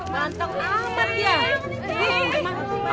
ganteng banget ya